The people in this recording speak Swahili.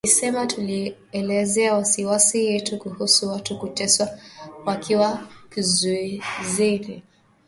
Alisema tulielezea wasiwasi yetu kuhusu watu kuteswa wakiwa kizuizini